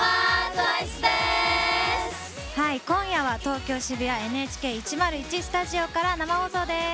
今夜は東京・渋谷ＮＨＫ１０１スタジオから生放送です。